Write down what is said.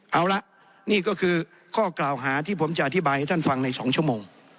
เอาละนี่ก็คือข้อกล่าวหาที่ผมจะอธิบายให้ท่านฟังใน๒ชั่วโมง